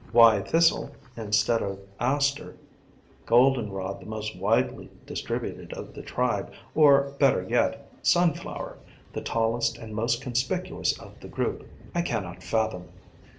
Why Thistle, instead of Aster, Goldenrod — the most widely distributed of the tribe — or, better yet, Sunflower, the tallest and most conspicuous of the group, I cannot fathom.